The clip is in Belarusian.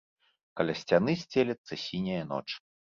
Каля сцяны сцелецца сіняя ноч.